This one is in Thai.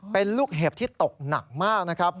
เป็นลูกเห็บที่ตกหนักมากนะครับ